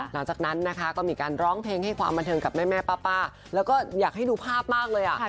หลังจากนั้นนะคะก็มีการร้องเพลงให้ความบันเทิงกับแม่ป้าแล้วก็อยากให้ดูภาพมากเลยอ่ะ